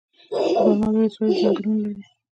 د برمل ولسوالۍ ځنګلونه لري